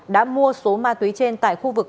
đã mua số ma túy trên tại khu vực